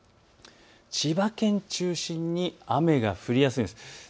千葉県を中心に雨が降りやすいんです。